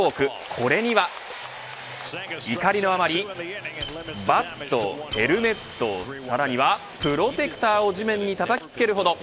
これには怒りのあまりバット、ヘルメットさらにはプロテクターを地面にたたきつけるほど。